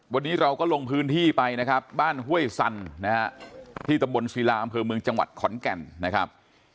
วันนี้เราก็ลงพื้นที่ไปนะครับบ้านห้วยสันนะฮะที่ตำบลศิลาอำเภอเมืองจังหวัดขอนแก่นนะครับ